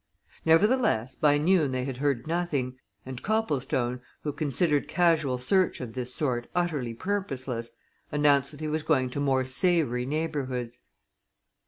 Nevertheless, by noon they had heard nothing, and Copplestone, who considered casual search of this sort utterly purposeless, announced that he was going to more savoury neighborhoods.